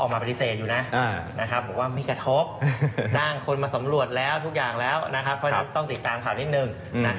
ใม่กระทบจะจ้างคนมาสำรวจต้องติดตามข่าวหนึ่ดหนึ่ง